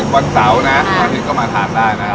วันเสาร์นะวันอาทิตย์ก็มาทานได้นะครับ